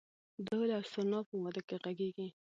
دهل او سرنا په واده کې غږیږي؟